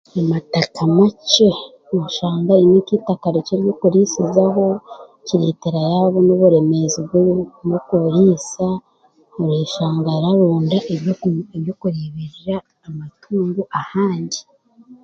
Amataaka maakye, noshanga ayine itaka rikye ry'okurisizaho kiretera yabona oburemezi bw'okurisya oshanga araronda eby'okureberera amatungo ahandi.